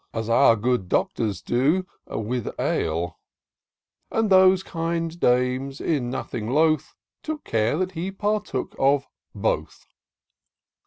As our good Doctors do — ^with ale ; And these kind dames, in nothing loth. Took care that he partook of both.